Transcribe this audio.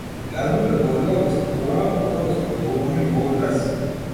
Јас би предложила да стартуваме, потоа да споделуваме и бол и бес.